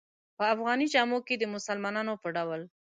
په افغاني جامو کې د مسلمانانو په ډول.